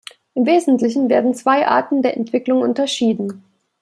Im Wesentlichen werden zwei Arten der Entwicklung unterschieden.